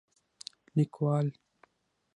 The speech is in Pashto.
لیکوال: